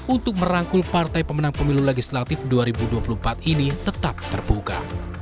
untuk merangkul partai pemenang pemilu legislatif dua ribu dua puluh empat ini tetap terbuka